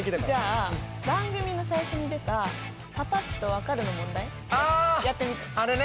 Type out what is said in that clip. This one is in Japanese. じゃあ番組の最初に出た「パパっと分かる」の問題やってみて。